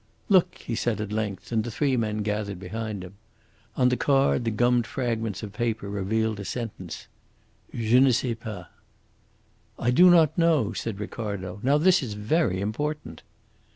"Look!" he said at length, and the three men gathered behind him. On the card the gummed fragments of paper revealed a sentence: "Je ne sais pas." "'I do not know,'" said Ricardo; "now this is very important."